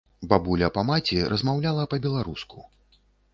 Бабуля па маці размаўляла па-беларуску.